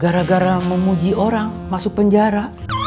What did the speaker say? gara gara memuji orang masuk penjara